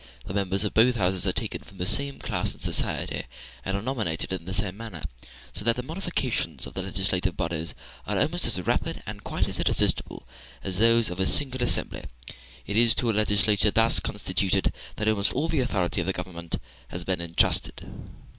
The members of both houses are taken from the same class in society, and are nominated in the same manner; so that the modifications of the legislative bodies are almost as rapid and quite as irresistible as those of a single assembly. It is to a legislature thus constituted that almost all the authority of the government has been entrusted.